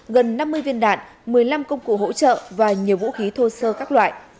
gần năm mươi viên đạn một mươi năm công cụ hỗ trợ và nhiều vũ khí thô sơ các loại